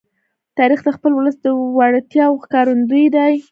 تاریخ د خپل ولس د وړتیاو ښکارندوی دی.